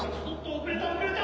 遅れた遅れた！